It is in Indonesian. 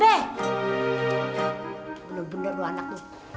bener bener loh anak lu